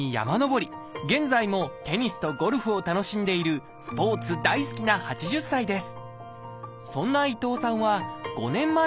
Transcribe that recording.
現在もテニスとゴルフを楽しんでいるスポーツ大好きな８０歳です。